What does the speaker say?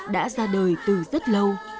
đã ra đời từ rất lâu